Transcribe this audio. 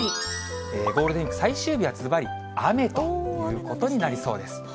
ゴールデンウィーク最終日は、ずばり雨ということになりそうです。